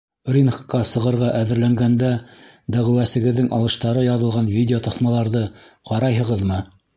— Рингка сығырға әҙерләнгәндә дәғүәсегеҙҙең алыштары яҙылған видеотаҫмаларҙы ҡарайһығыҙмы?